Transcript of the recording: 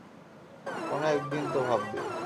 কোনো একদিন তো ভাববি।